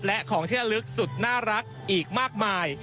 และของที่ระลึกสุดน่ารักอีกมากมาย